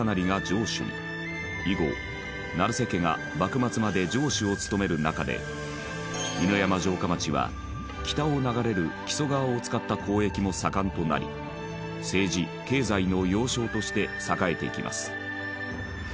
以後成瀬家が幕末まで城主を務める中で犬山城下町は北を流れる木曽川を使った交易も盛んとなり政治経済の要衝として栄えていきます。